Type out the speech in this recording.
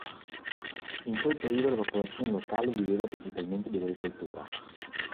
In quel periodo la popolazione locale viveva principalmente di agricoltura.